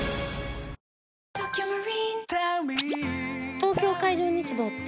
東京海上日動って？